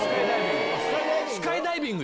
スカイダイビング。